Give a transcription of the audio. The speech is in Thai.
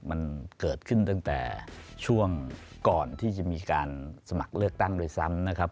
มันเกิดขึ้นตั้งแต่ช่วงก่อนที่จะมีการสมัครเลือกตั้งด้วยซ้ำนะครับ